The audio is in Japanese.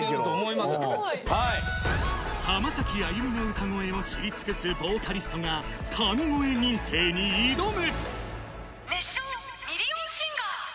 浜崎あゆみの歌声を知り尽くすヴォーカリストが、神声認定に挑む。